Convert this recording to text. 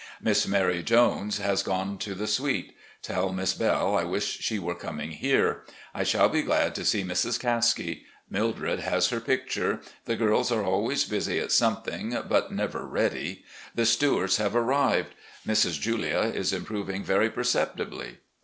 "Miss Mary Jones has gone to the Sweet. Tell Miss Belle I wish she were coming here. I shall be glad to see Mrs. Caskie. Mildred has her picture. The girls are always busy at something, but never ready. The Stuarts have arrived. Mrs. Julia is improving very perceptibly.